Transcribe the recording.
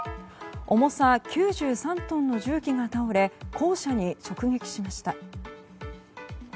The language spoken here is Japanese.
重さ９３トンの重機が倒れ校舎に直撃しました。